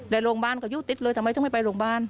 และโรงบาลก็ยู่ติดเลยทำไมถึงไม่ไปโรงบาล